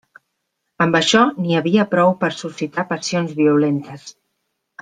Amb això n'hi havia prou per a suscitar passions violentes.